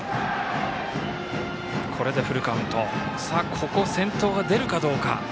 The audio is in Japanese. ここ、先頭が出るかどうか。